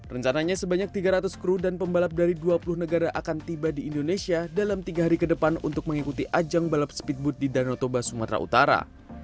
rencananya sebanyak tiga ratus kru dan pembalap dari dua puluh negara akan tiba di indonesia dalam tiga hari ke depan untuk mengikuti ajang balap speedboat di danau toba sumatera utara